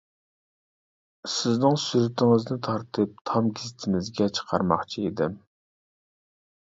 سىزنىڭ سۈرىتىڭىزنى تارتىپ، تام گېزىتىمىزگە چىقارماقچى ئىدىم.